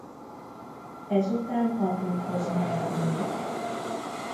Ezután apjukhoz menekülnek.